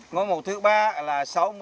ngôi mộ thứ ba là sáu mươi